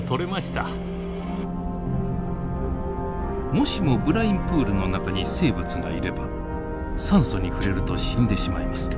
もしもブラインプールの中に生物がいれば酸素に触れると死んでしまいます。